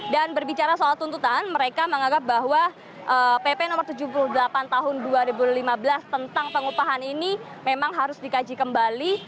dan berbicara soal tuntutan mereka menganggap bahwa pp no tujuh puluh delapan tahun dua ribu lima belas tentang pengupahan ini memang harus dikaji kembali